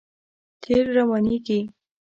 تېل روانېږي.